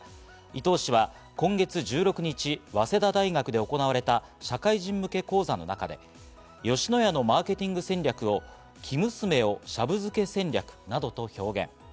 伊東氏は今月１６日、早稲田大学で行われた社会人向け講座の中で吉野家のマーケティング戦略を生娘をシャブ漬け戦略などと表現。